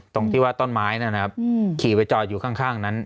ตรงที่ว่าต้นไม้นะครับขี่ไปจอดอยู่ข้างนั้น